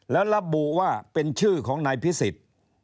แล้วระบุว่าเป็นชื่อของนายพิสิทธิ์